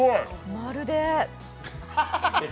まるで？